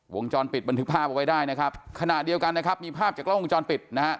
วงจรปิดบันทึกภาพเอาไว้ได้นะครับขณะเดียวกันนะครับมีภาพจากกล้องวงจรปิดนะฮะ